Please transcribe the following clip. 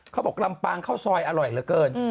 ลำปางข้าวซอยอร่อยเหลือเกิน